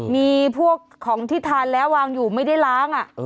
มีพวกของที่ทานแล้ววางอยู่ไม่ได้ล้าง